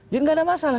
jadi tidak ada masalah